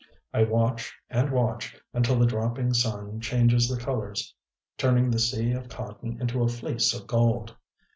I watch and watch until the dropping sun changes the colors, turning the Sea of Cotton into a Fleece of Gold.